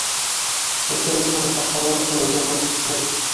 Беҙгә эйәреп, башҡалар, ошо Ләйсәндәр китте.